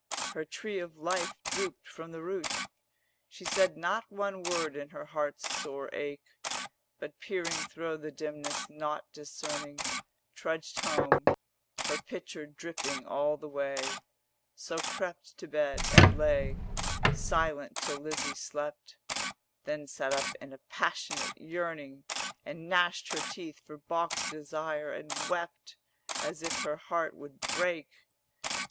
Her tree of life drooped from the root: 260 She said not one word in her heart's sore ache; But peering thro' the dimness, nought discerning, Trudged home, her pitcher dripping all the way; So crept to bed, and lay Silent till Lizzie slept; Then sat up in a passionate yearning, And gnashed her teeth for baulked desire, and wept As if her heart would break.